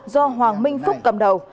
do hoàng minh phúc cầm đầu